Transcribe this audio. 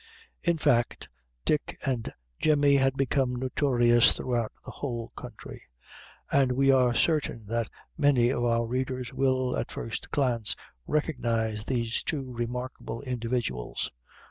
In fact, Dick and Jemmy had become notorious throughout the whole country; and we are certain that many of our readers will, at first glance, recognize these two remarkable individuals.